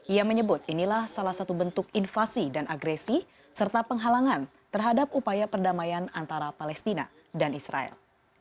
ia menyebut inilah salah satu bentuk invasi dan agresi serta penghalangan terhadap upaya perdamaian antara palestina dan israel